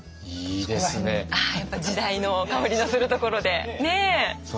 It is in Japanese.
やっぱ時代の薫りのするところで。